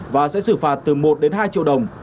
và sẽ xử phạt từ một đến hai triệu đồng